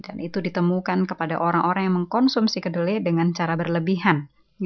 dan itu ditemukan kepada orang orang yang mengkonsumsi kedelai dengan cara berlebihan